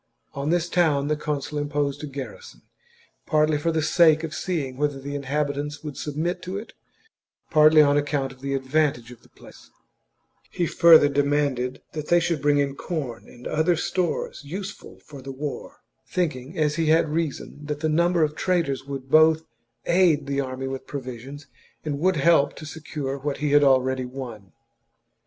On this town the consul imposed a garrison, partly for the sake of seeing whether the inhabitants would submit to it, partly on account of the advantage of the place, i He further demanded that they should bring in corn ' and other stores useful for the war, thinking, as he had reason, that the number of traders would both aid the army with provisions, and would help to secure what he had already won.